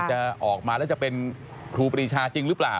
จะออกมาแล้วจะเป็นครูปรีชาจริงหรือเปล่า